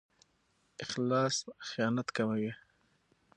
اخلاص خیانت کموي.